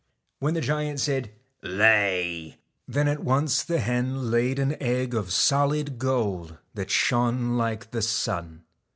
When the giant said, * Lay 1 ' then at once the hen laid an egg of solid gold that shone like the sun.